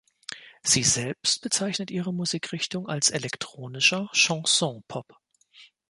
Sie selbst bezeichnet ihre Musikrichtung als „elektronischer Chanson-Pop“.